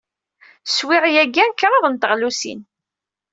Swiɣ yagi kraḍt n teɣlusin.